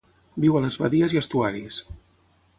Viu a les badies i estuaris.